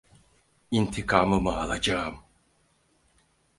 İntikamımı alacağım.